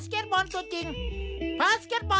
๑กิโล